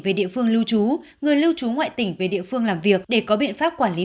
về địa phương lưu trú người lưu trú ngoại tỉnh về địa phương làm việc để có biện pháp quản lý